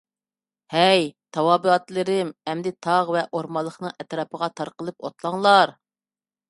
ھەي تاۋابىئاتلىرىم! ئەمدى تاغ ۋە ئورمانلىقنىڭ ئەتراپىغا تارقىلىپ ئوتلاڭلار.